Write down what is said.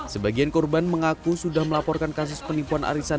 sebagian korban mengaku sudah melaporkan kasus penipuan arisan